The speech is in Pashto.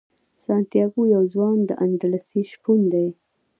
سانتیاګو یو ځوان اندلسي شپون دی.